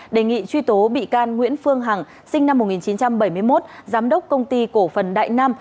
đề nghị truy tố bị can nguyễn phương hằng sinh năm một nghìn chín trăm bảy mươi một giám đốc công ty cổ phần đại nam